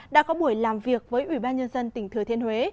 đã có buổi làm việc với ủy ban nhân dân tỉnh thừa thiên huế